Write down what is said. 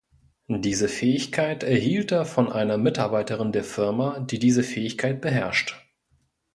Diese Fähigkeit erhielt er von einer Mitarbeiterin der Firma, die diese Fähigkeit beherrscht.